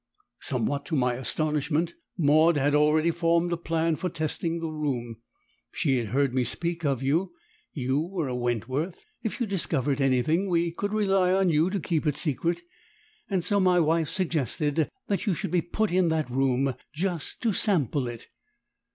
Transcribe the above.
"Somewhat to my astonishment, Maud had already formed a plan for testing the room. She had heard me speak of you, you were a Wentworth; if you discovered anything we could rely on you to keep it secret and so my wife suggested that you should be put in the room, 'just to sample it.